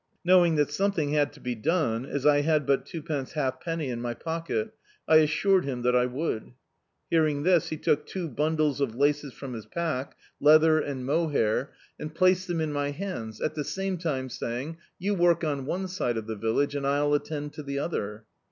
Knowing that something had to be done, as I had but twopence halfpetmy in my pocket, I assured him that I would. Hearing this he took two bun dles of laces from his pack, leather and mohair, and D,i.,.db, Google Gridling placed them in my hands, at the same time saying — "You work (m one side of the village and I'll attend to the other."